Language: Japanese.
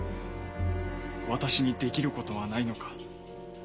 私にできることはないのか。